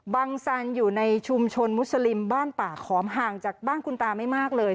บังสันอยู่ในชุมชนมุสลิมบ้านป่าขอมห่างจากบ้านคุณตาไม่มากเลย